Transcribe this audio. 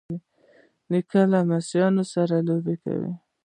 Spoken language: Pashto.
نیکه له لمسیانو سره لوبې کوي.